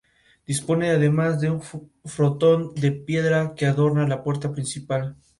Durante sus años de estudio, Ripa actuó en varias obras teatrales escolares.